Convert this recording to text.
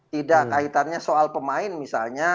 tidak kaitannya soal pemain misalnya